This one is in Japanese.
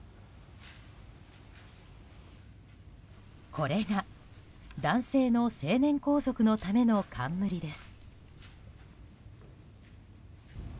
これが男性の成年皇族のための冠です。